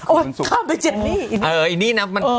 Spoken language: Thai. อ๋อเข้าไปเจนี่